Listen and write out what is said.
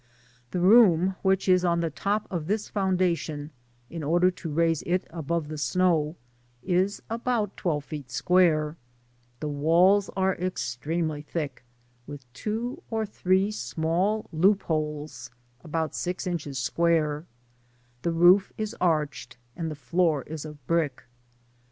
The room which is on the top of this foundation, in order to raise it above the snow, is about twelve feet square ; the walls are extremely thick, with two or three small loop holes about six inches square ; the rodf is arched, and the floor is of brick.